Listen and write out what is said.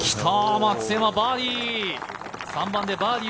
松山、バーディー。